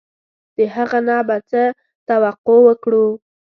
د هغه نه به څه توقع وکړو.